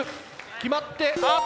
決まってあっと